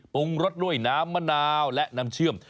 ปรุงรสด้วยน้ำมะนาวและน้ำเชื่อม